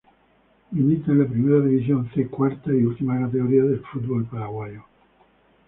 Milita en la Primera División C, cuarta y última categoría del fútbol paraguayo.